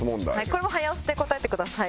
これも早押しで答えてください。